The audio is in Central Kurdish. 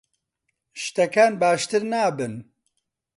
شتەکان باشتر نابن.